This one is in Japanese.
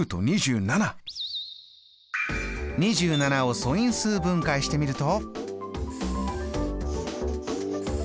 ２７を素因数分解してみると。